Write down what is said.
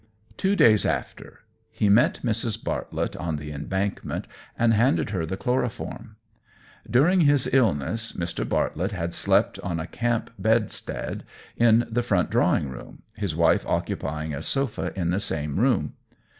Two days after he met Mrs. Bartlett on the Embankment and handed her the chloroform. During his illness, Mr. Bartlett had slept on a camp bedstead in the front drawing room, his wife occupying a sofa in the same room.